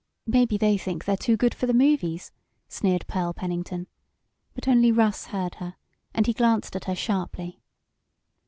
"Maybe they think they're too good for the movies," sneered Pearl Pennington, but only Russ heard her, and he glanced at her sharply.